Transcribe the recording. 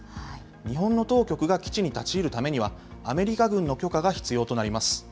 日本の当局が基地に立ち入るためには、アメリカ軍の許可が必要となります。